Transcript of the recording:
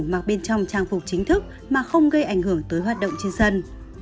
mặc bên trong trang phục chính thức mà không gây ảnh hưởng tới hoạt động trên sân